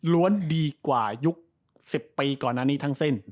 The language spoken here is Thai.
ร้วนดีกว่ายุค๑๐ปีก่อนทางเส้น